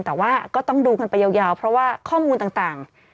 แต่ว่าก็ต้องดูกันไปยาวเพราะว่าข้อมูลต่าง